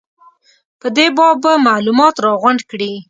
په دې باب به معلومات راغونډ کړي.